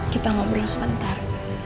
kita ngobrol sebentar